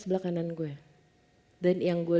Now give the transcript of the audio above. sebelah kanan gue dan yang gue